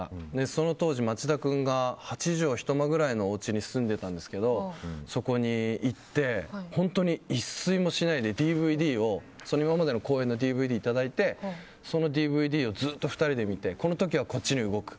その当時、町田君が８畳ひと間ぐらいのおうちに住んでいたんですけどそこに行って本当に一睡もしないで今までの公演のＤＶＤをいただいてそのＤＶＤをずっと２人で見てこの時は、こっちに動く。